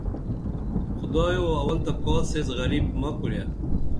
خدایو اول تہ کاس ایس غریب مہ کُرے